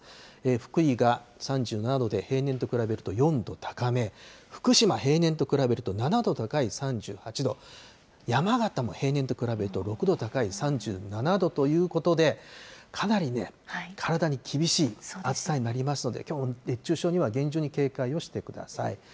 福井が３７度で平年と比べると４度高め、福島、平年と比べると７度高い３８度、山形も平年と比べると６度高い３７度ということで、かなり、体に厳しい暑さになりますので、きょうも熱中症には厳重に警戒をしてください。